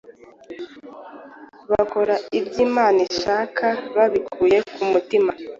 bakora ibyo Imana ishaka, babikuye ku mutima